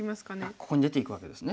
ここに出ていくわけですね。